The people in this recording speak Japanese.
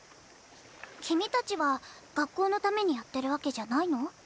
君たちは学校のためにやってるわけじゃないの？